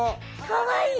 かわいい！